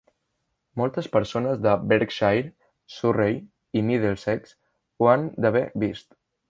Moltes persones de Berkshire, Surrey i Middlesex ho han d'haver vist.